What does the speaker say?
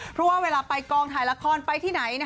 เพราะเวลาไปกองถ่ายลักษณ์ไปที่ไหน